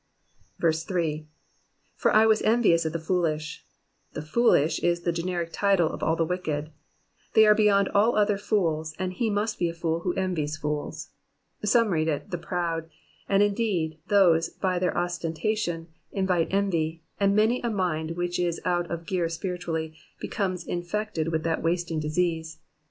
8. ''^For I was envious at the foolish.'''' The foolish'* is the generic title of all the wicked : they are beyond all others fools, and he must be a fool who envies fools. Some read it, *' the proud f ' and, indeed, these, by their ostenta tion, invite envy, and many a mind which is out of gear spiritually, becomes infected with that wasting disease.